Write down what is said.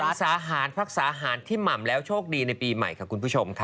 ภาษาหารรักษาหารที่หม่ำแล้วโชคดีในปีใหม่ค่ะคุณผู้ชมค่ะ